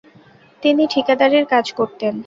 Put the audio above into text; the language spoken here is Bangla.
তিনি ঠিকাদারির কাজ করতেন।